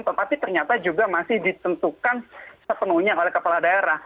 tetapi ternyata juga masih ditentukan sepenuhnya oleh kepala daerah